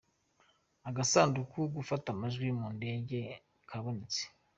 Agasandugu gafata amajwi mu ndege kabonetse.